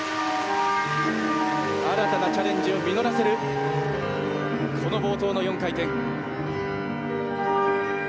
新たなチャレンジを実らせるこの冒頭の４回転。